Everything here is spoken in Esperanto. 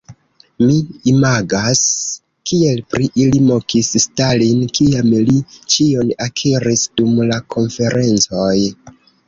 Mi imagas kiel pri ili mokis Stalin, kiam li ĉion akiris dum la konferencoj"...